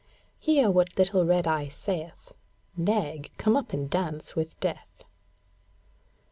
Hear what little Red Eye saith: 'Nag, come up and dance with death!'